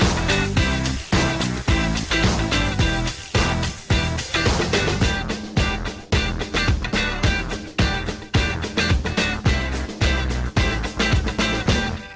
จริงจริงจริงจริง